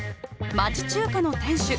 町中華の店主